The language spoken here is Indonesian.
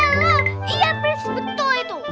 hellah yang prinsip betul itu